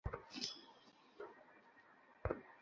এতে আতঙ্ক ছড়িয়ে পড়লে বাজারের পাঁচ শতাধিক দোকান বন্ধ হয়ে যায়।